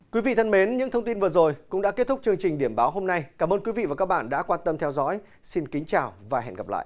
quý vị thân mến những thông tin vừa rồi cũng đã kết thúc chương trình điểm báo hôm nay cảm ơn quý vị và các bạn đã quan tâm theo dõi xin kính chào và hẹn gặp lại